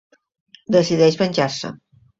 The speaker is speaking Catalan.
Decideix venjar-se.